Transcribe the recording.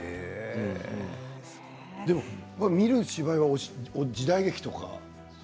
でも見る芝居は時代劇とか？